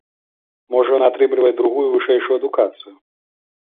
Можа, ён атрымлівае другую вышэйшую адукацыю.